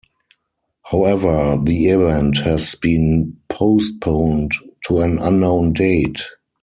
However, the event has been postponed to an unknown date.